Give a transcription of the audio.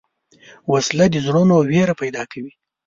وسله د زړونو وېره پیدا کوي